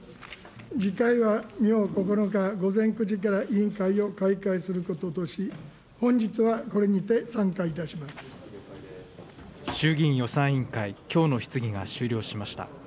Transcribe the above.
次回は明９日午前９時から委員会を開会することとし、衆議院予算委員会、きょうの質疑が終了しました。